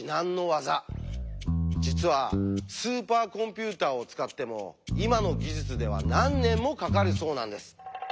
実はスーパーコンピューターを使っても今の技術では何年もかかるそうなんです。